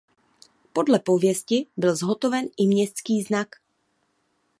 Podle pověsti byl zhotoven i městský znak.